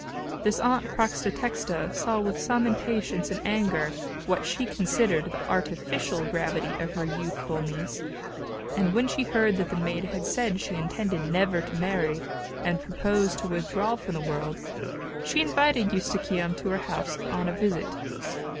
This aunt Prætextata saw with some impatience and anger what she considered the artificial gravity of her youthful niece, and when she heard that the maid had said she intended never to marry, and purposed to withdraw from the world, she invited Eustochium to her house on a visit.